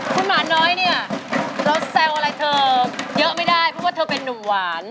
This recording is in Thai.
คุณหมาน้อยเนี่ยเราแซวอะไรเธอเยอะไม่ได้เพราะว่าเธอเป็นนุ่มหวาน